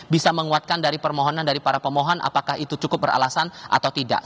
bisa menguatkan dari permohonan dari para pemohon apakah itu cukup beralasan atau tidak